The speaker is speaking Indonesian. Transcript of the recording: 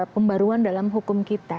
pembaruan dalam hukum kita